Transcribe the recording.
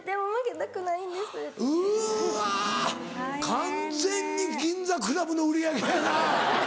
完全に銀座クラブの売り上げやな。